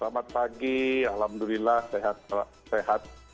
selamat pagi alhamdulillah sehat